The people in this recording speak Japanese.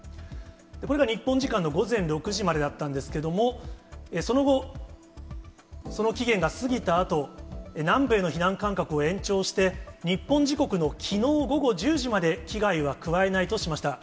これが日本時間の午前６時までだったんですけども、その後、その期限が過ぎたあと、南部への避難勧告を延長して、日本時刻のきのう午後１０時まで、危害は加えないとしました。